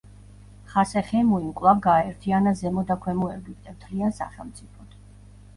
ხასეხემუიმ კვლავ გააერთიანა ზემო და ქვემო ეგვიპტე მთლიან სახელმწიფოდ.